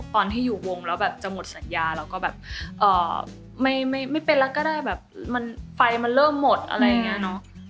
ตอนที่อยู่วงแล้วแบบจะหมดสัญญาแล้วก็แบบไม่เป็นแล้วก็ได้แบบมันไฟมันเริ่มหมดอะไรอย่างนี้เนอะ